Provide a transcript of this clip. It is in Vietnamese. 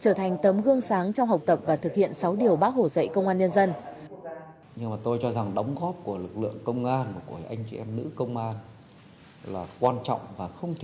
trở thành tấm gương sáng trong học tập và thực hiện sáu điều bác hồ dạy công an nhân dân